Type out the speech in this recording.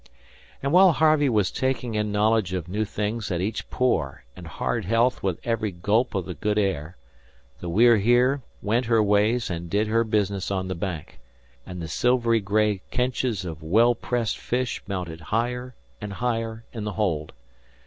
And while Harvey was taking in knowledge of new things at each pore and hard health with every gulp of the good air, the We're Here went her ways and did her business on the Bank, and the silvery gray kenches of well pressed fish mounted higher and higher in the hold.